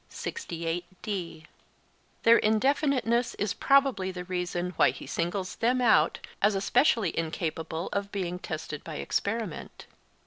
Their indefiniteness is probably the reason why he singles them out, as especially incapable of being tested by experiment.